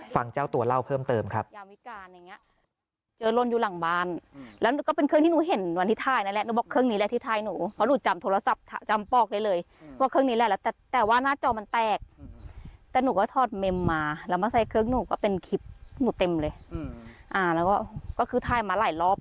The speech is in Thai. ฟังเจ้าตัวเล่าเพิ่มเติมครับ